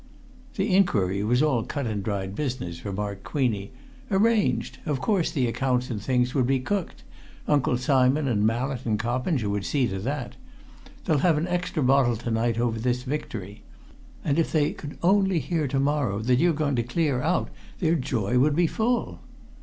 "The inquiry was all cut and dried business," remarked Queenie. "Arranged! Of course the accounts and things would be cooked. Uncle Simon and Mallett and Coppinger would see to that. They'll have an extra bottle to night over this victory. And if they could only hear to morrow that you're going to clear out their joy would be full."